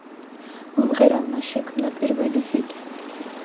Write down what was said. მომღერალმა შექმნა პირველი ჰიტი.